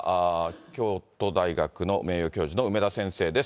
京都大学の名誉教授の梅田先生です。